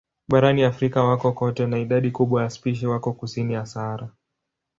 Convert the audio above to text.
Barani Afrika wako kote na idadi kubwa ya spishi wako kusini ya Sahara.